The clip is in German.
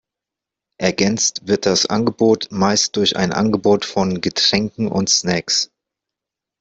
Ergänzt wird das Angebot meist durch ein Angebot von Getränken und Snacks.